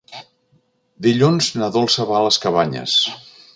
Dilluns na Dolça va a les Cabanyes.